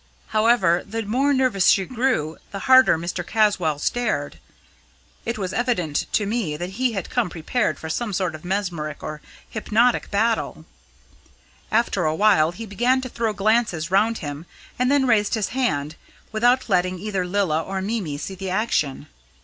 However, the more nervous she grew, the harder Mr. Caswall stared. It was evident to me that he had come prepared for some sort of mesmeric or hypnotic battle. After a while he began to throw glances round him and then raised his hand, without letting either Lilla or Mimi see the action.